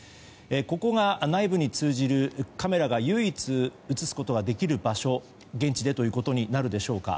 ここが内部に通じるカメラが唯一映すことができる場所現地でということになるでしょうか。